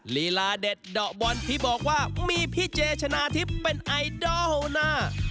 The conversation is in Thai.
ลีลาเด็ดเดาะบอลที่บอกว่ามีพี่เจชนะทิพย์เป็นไอดอลหน้า